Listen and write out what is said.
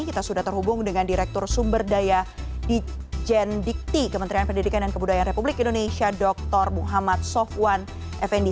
kita sudah terhubung dengan direktur sumber daya di jendikti kementerian pendidikan dan kebudayaan republik indonesia dr muhammad sofwan effendi